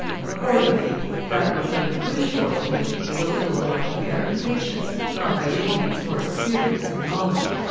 Accordingly, that which might be wished for in him is a little more care and patience, not by any means more experience and knowledge.